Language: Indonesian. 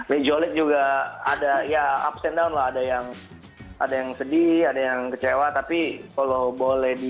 nijiholic juga ada ya up and down lah ada yang sedih ada yang kecewa tapi kalau boleh di